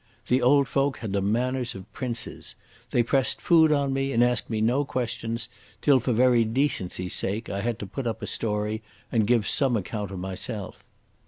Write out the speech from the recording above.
The old folk had the manners of princes. They pressed food on me, and asked me no questions, till for very decency's sake I had to put up a story and give some account of myself.